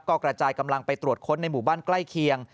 ก็กระจายกำลังไปตรวจค้นในหมู่บ้านใกล้เคียง